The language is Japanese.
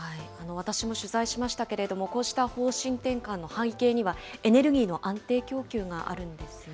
私も取材しましたけれども、こうした方針転換の背景には、エネルギーの安定供給があるんですよね。